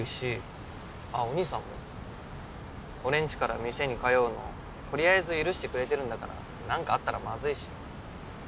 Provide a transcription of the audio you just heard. あっお兄さんも俺んちから店に通うのとりあえず許してくれてるんだからなんかあったらまずいし。